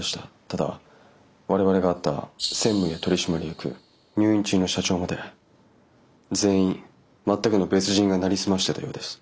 ただ我々が会った専務や取締役入院中の社長まで全員全くの別人がなりすましてたようです。